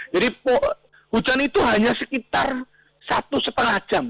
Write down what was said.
jadi hujan itu hanya sekitar satu lima jam